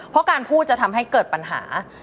เพราะการพูดจะทำให้เกิดปัญหา